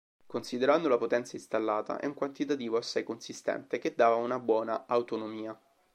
Considerando la potenza installata, è un quantitativo assai consistente, che dava una buona autonomia.